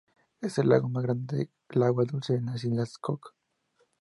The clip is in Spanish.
Es el lago más grande de agua dulce en las Islas Cook.